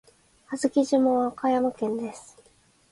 小豆島は岡山県です。